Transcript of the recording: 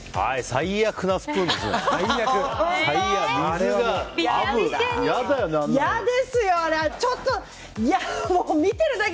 最悪なスプーンですね。